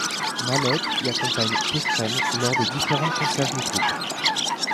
Malek y accompagne Kephren lors des différents concerts du groupe.